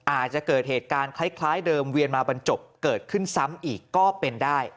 อาจจะเกิดเหตุการณ์คล้ายเดิมเวียนมาบรรจบเกิดขึ้นซ้ำอีกก็เป็นได้